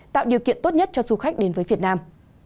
tạo điều kiện tốt nhất cho du khách đến với việt nam